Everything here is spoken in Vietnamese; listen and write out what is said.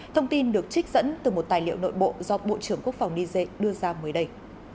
thông tin được trích dẫn từ một tài liệu nội bộ do bộ trưởng quốc phòng niger đưa ra mới đây